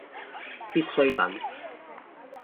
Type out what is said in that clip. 必需品